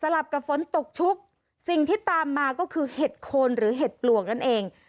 ลับกับฝนตกชุกสิ่งที่ตามมาก็คือเห็ดโคนหรือเห็ดปลวกนั่นเอง